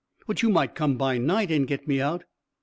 "But you might come by night and get me out."